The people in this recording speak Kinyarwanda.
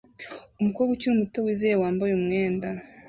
Umukobwa ukiri muto wizeye wambaye umwenda